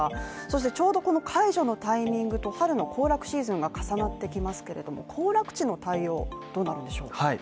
ちょうどこの解除のタイミングと春の行楽シーズンが重なってきますけれども、行楽地の対応どうなるんでしょう。